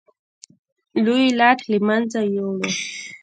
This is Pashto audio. لوی لاټ له منځه یووړ.